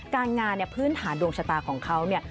การงานเนี่ยพื้นฐานดวงชะตาของเขาเนี่ย